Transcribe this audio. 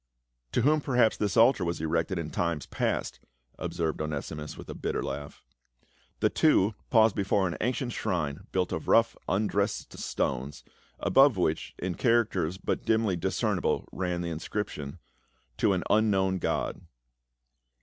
" To whom perhaps this altar was erected in times past," observed Onesimus, with a bitter laugh. The two paused before an ancient shrine built of rough undressed stones, above which in characters but dimly discernible ran the inscription, "To a.n Unknown God."